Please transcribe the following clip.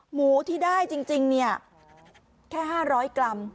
หมูที่ได้จริงแค่๕๐๐กรัม